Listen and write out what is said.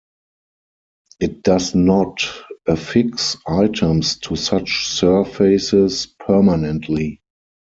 It does not affix items to such surfaces permanently.